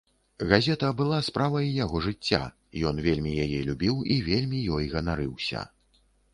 Газета была справай яго жыцця, ён вельмі яе любіў і вельмі ёй ганарыўся.